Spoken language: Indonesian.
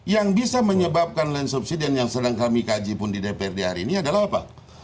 yang bisa menyebabkan land subsidence yang sedang kami kaji pun di dprd hari ini adalah apa